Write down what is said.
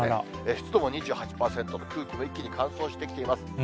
湿度も２８％、空気も一気に乾燥してきています。